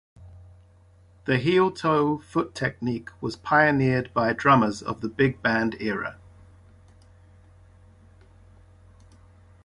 The heel-toe foot technique was pioneered by drummers of the big band era.